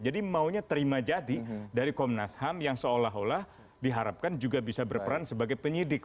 jadi maunya terima jadi dari komnas ham yang seolah olah diharapkan juga bisa berperan sebagai penyidik